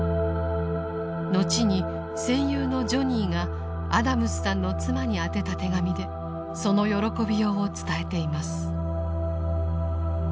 後に戦友のジョニーがアダムスさんの妻に宛てた手紙でその喜びようを伝えています。